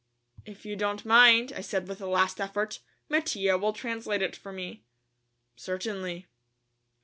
"If you don't mind," I said with a last effort, "Mattia will translate it for me." "Certainly."